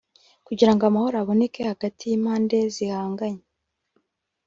Kugirango amahoro aboneke hagati y’impande zihanganye